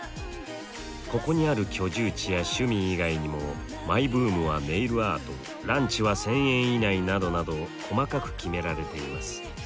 ここにある居住地や趣味以外にもマイブームはネイルアートランチは１，０００円以内などなど細かく決められています。